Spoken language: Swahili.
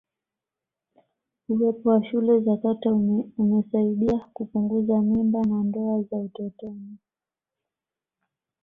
uwepo wa shule za kata umesaidia kupunguza mimba na ndoa za utotoni